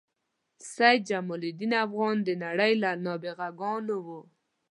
سید جمال الدین افغان د نړۍ له نابغه ګانو و.